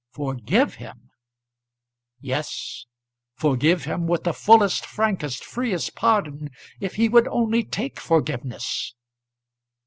Forgive him! Yes. Forgive him with the fullest, frankest, freest pardon, if he would only take forgiveness.